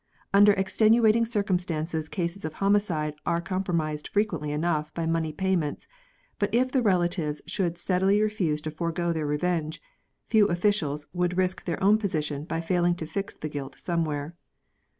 Under extenuating circumstances cases of homicide are compromised frequently enough by money payments, but if the relatives should steadily refuse to forego their revens^e, few ojficials would risk their own position by failing to fix the guilt some where.